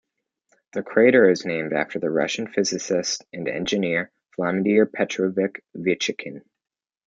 The crater is named after the Russian physicist and engineer Vladimir Petrovich Vetchinkin.